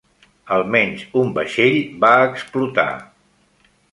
Almenys un vaixell va explotar.